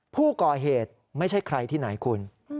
ผู้ก่อเหตุไม่ใช่ใครที่ไหนคุณ